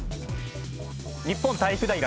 日本体育大学。